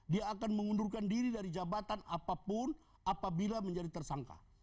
dia akan mengundurkan diri dari jabatan apapun apabila menjadi tersangka